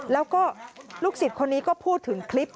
แล้วก็ลูกศิษย์คนนี้ก็พูดถึงคลิป